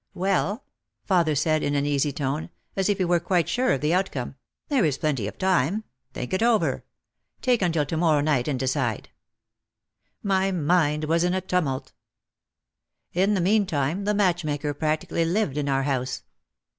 "Well," father said in an easy tone, as if he were quite sure of the outcome, "there is plenty of time. Think it over. Take until to morrow night and decide." My mind was in a tumult. In the meantime the matchmaker practically lived in our house.